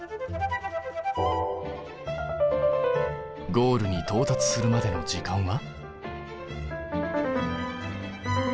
ゴールに到達するまでの時間は？